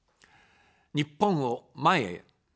日本を、前へ。